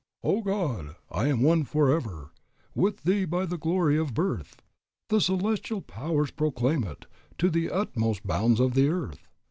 "O God! I am one forever With Thee by the glory of birth; The celestial powers proclaim it To the utmost bounds of the earth.